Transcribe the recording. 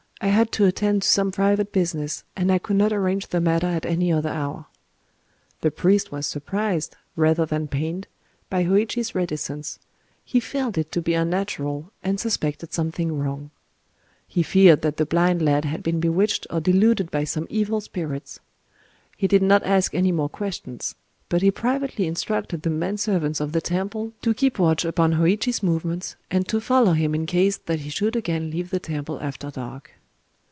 I had to attend to some private business; and I could not arrange the matter at any other hour." The priest was surprised, rather than pained, by Hōïchi's reticence: he felt it to be unnatural, and suspected something wrong. He feared that the blind lad had been bewitched or deluded by some evil spirits. He did not ask any more questions; but he privately instructed the men servants of the temple to keep watch upon Hōïchi's movements, and to follow him in case that he should again leave the temple after dark.